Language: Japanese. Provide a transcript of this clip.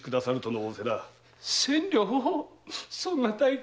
千両⁉そんな大金。